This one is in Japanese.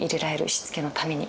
しつけのために。